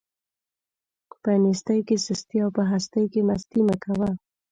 په نيستۍ کې سستي او په هستۍ کې مستي مه کوه.